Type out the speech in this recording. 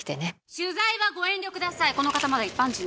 取材はご遠慮ください。